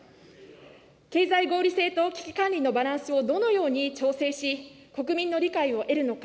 経済合理性と危機管理のバランスをどのように調整し、国民の理解を得るのか。